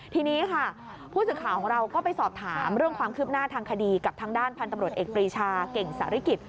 ทีนี้ค่ะผู้สื่อข่าวของเราก็ไปสอบถามเรื่องความคืบหน้าทางคดีกับทางด้านพันธุ์ตำรวจเอกปรีชาเก่งสาริกิจ